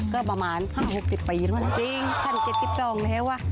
ก็ประมาณ๖๐ปีแล้วนะจริงฉัน๗๒แล้วว่ะ